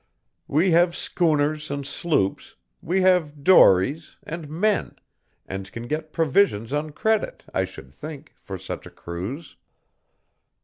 We have schooners and sloops, we have dories, and men, and can get provisions on credit, I should think, for such a cruise.